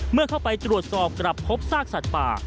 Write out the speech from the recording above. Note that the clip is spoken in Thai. เมื่อเข้าไปตรวจสอบกลับพบซากสัตว์ป่า